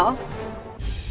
công an tỉnh nam định